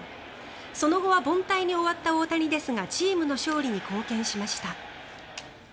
その後は凡退に終わった大谷ですがチームの勝利に貢献しました。